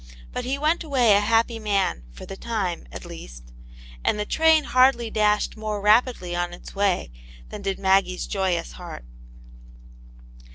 But he went away a happy man, for the time, at least, and the train hardly dashed more rapidly on its way than did Maggie's joyous heart.